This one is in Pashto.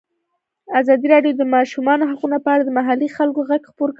ازادي راډیو د د ماشومانو حقونه په اړه د محلي خلکو غږ خپور کړی.